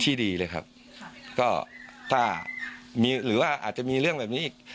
ที่ดีเลยครับค่ะก็ถ้ามีหรือว่าอาจจะมีเรื่องแบบนี้อีก